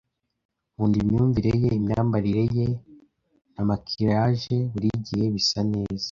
Nkunda imyumvire ye. Imyambarire ye na maquillage buri gihe bisa neza.